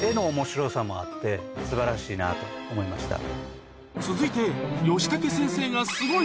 もあって素晴らしいなと思いました。